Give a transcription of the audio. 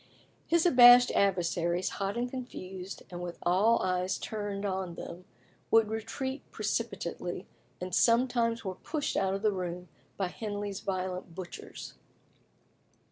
His abashed adversaries, hot and confused, and with all eyes turned on them, would retreat precipitately, and sometimes were pushed out of the room by Henley's violent butchers.